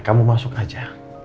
kamu masuk aja